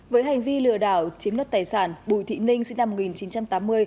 với hành vi lừa đảo chiếm đất tài sản bùi thị ninh sinh năm một nghìn chín trăm tám mươi